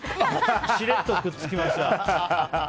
しれっとくっつきました。